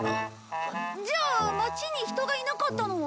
じゃあ町に人がいなかったのは？